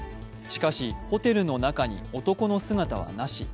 しかし、ホテルの中に男の姿はなし。